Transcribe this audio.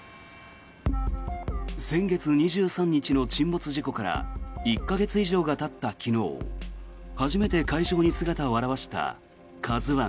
先月２３日の沈没事故から１か月以上がたった昨日初めて海上に姿を現した「ＫＡＺＵ１」。